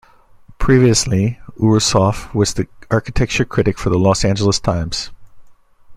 Previously, Ouroussoff was the architecture critic for the "Los Angeles Times".